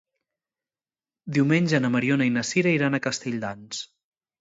Diumenge na Mariona i na Sira iran a Castelldans.